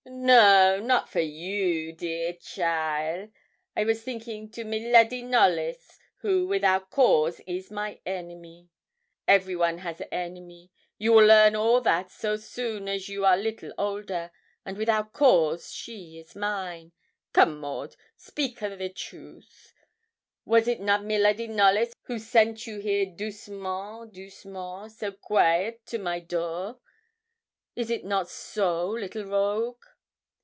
'No, not for you, dear cheaile; I was thinking to miladi Knollys, who, without cause, is my enemy. Every one has enemy; you will learn all that so soon as you are little older, and without cause she is mine. Come, Maud, speak a the truth was it not miladi Knollys who sent you here doucement, doucement, so quaite to my door is it not so, little rogue?'